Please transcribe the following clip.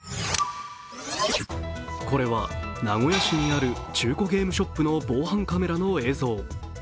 これは名古屋市にある中古ゲームショップの防犯カメラの映像。